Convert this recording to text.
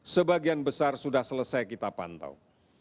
sebagian besar sudah selesai kita pantau